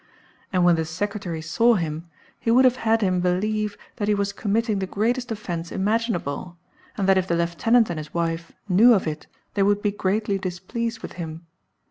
And when the secretary saw him, he would have had him believe that he was committing the greatest offence imaginable, and that if the Lieutenant and his wife knew of it they would be greatly displeased with him.